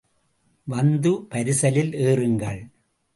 வந்து பரிசலில் ஏறுங்கள்.